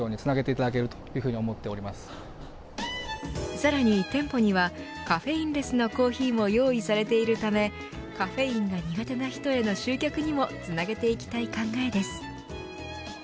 さらに店舗にはカフェインレスのコーヒーも用意されているためカフェインが苦手な人への集客にもつなげていきたい考えです。